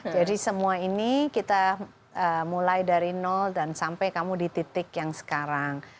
jadi semua ini kita mulai dari nol dan sampai kamu di titik yang sekarang